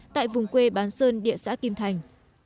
tại vùng quê bán sơn địa xã kim thành